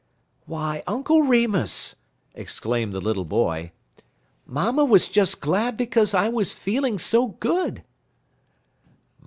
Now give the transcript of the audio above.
"Why, Uncle Remus!" exclaimed the little boy; "Mamma was just glad because I was feeling so good."